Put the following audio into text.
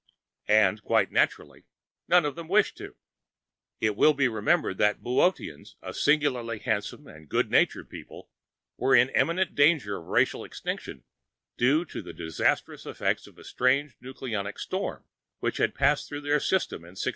And, quite naturally, none of them wished to. It will be remembered that the Boöteans, a singularly handsome and good natured people, were in imminent danger of racial extinction due to the disastrous effects of a strange nucleonic storm which had passed through their system in 1622.